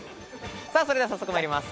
それでは早速参ります。